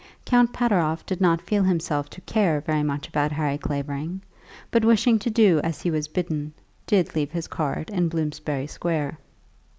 Count Pateroff did not feel himself to care very much about Harry Clavering, but wishing to do as he was bidden, did leave his card in Bloomsbury Square.